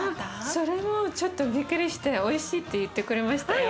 それもちょっとびっくりして「おいしい」って言ってくれましたよ。